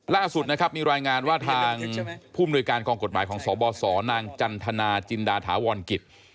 ล่าสุดนะครับมีรายงานว่าทางผู้มนุยการกองกฎหมายของสบสนางจันทนาจินดาถาวรกิจ